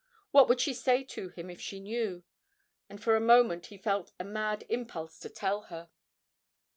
What would she say to him if she knew? And for a moment he felt a mad impulse to tell her.